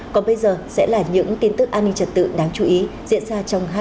còn bây giờ sẽ là những tin tức an ninh trật tự đáng chú ý diễn ra trong hai mươi h